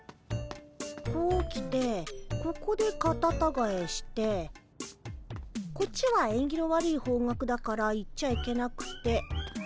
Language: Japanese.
こう来てここでカタタガエしてこっちはえんぎの悪い方角だから行っちゃいけなくて。